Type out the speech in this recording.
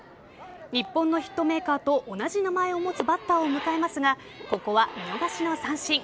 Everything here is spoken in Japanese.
日本のヒットメーカーと同じ名前を持つバッターを迎えますがここは見逃しの三振。